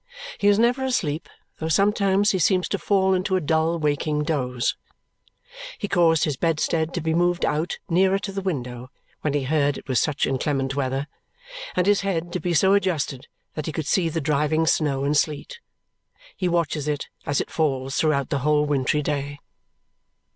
He is never asleep, though sometimes he seems to fall into a dull waking doze. He caused his bedstead to be moved out nearer to the window when he heard it was such inclement weather, and his head to be so adjusted that he could see the driving snow and sleet. He watches it as it falls, throughout the whole wintry day.